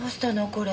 これ。